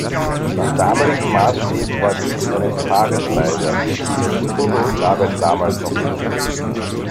Nach damaligen Maßstäben war dies eine Tagesreise, den Tunnel gab es damals noch nicht.